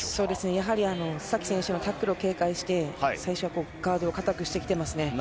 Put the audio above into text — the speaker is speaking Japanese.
やはり須崎選手のタックルを警戒して最初はガードを固くしてきてますね。